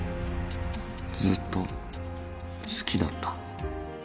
ずっと好きだった。